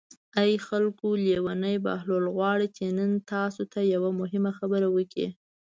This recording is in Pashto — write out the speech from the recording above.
ای خلکو لېونی بهلول غواړي چې نن تاسو ته یوه مهمه خبره وکړي.